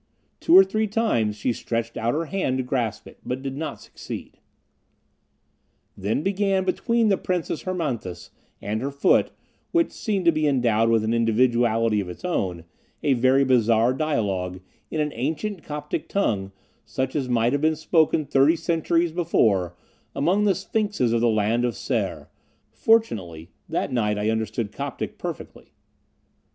Two or three times she stretched out her hand to grasp it, but did not succeed. Then began between the Princess Hermonthis and her foot, which seemed to be endowed with an individuality of its own, a very bizarre dialogue, in an ancient Coptic tongue, such as might have been spoken thirty centuries before, among the sphinxes of the Land of Ser; fortunately, that night I understood Coptic perfectly.